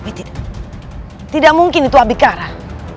bagian tengah istana masih kosong